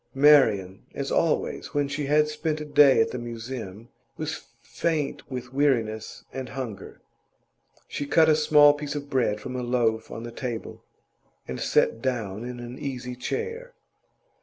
Marian, as always when she had spent a day at the Museum, was faint with weariness and hunger; she cut a small piece of bread from a loaf on the table, and sat down in an easy chair.